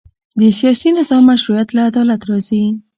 د سیاسي نظام مشروعیت له عدالت راځي